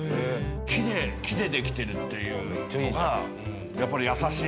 木でできてるっていうのがやっぱり優しい。